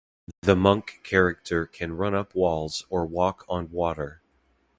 The monk character can run up walls or walk on water.